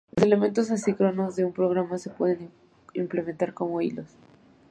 Los elementos asíncronos de un programa se pueden implementar como hilos.